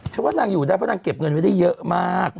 ว่านางอยู่ได้เพราะนางเก็บเงินไว้ได้เยอะมาก